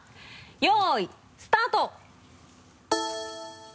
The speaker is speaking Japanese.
よいスタート！